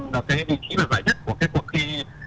địa chỉ và giải nhất của cuộc thi